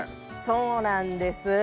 そうなんです。